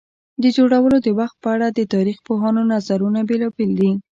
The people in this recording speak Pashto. د جوړولو د وخت په اړه د تاریخ پوهانو نظرونه بېلابېل دي.